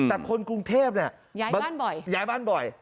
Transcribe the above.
แต่คนกรุงเทพเนี่ยย้ายบ้านบ่อย